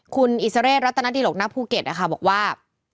คุณอิสระเรศรัตนาดีหลกนักภูเก็ตบอกว่า